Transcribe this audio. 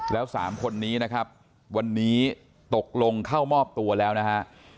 แล้ว๓คนนี้นะครับวันนี้ตกลงเข้ามอบตัวแล้วนะฮะ